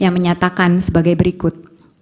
yang menyatakan sebagai berikut